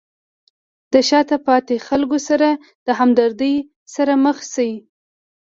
د شاته پاتې خلکو سره د همدردۍ سره مخ شئ.